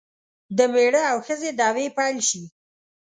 د میړه او ښځې دعوې پیل شي.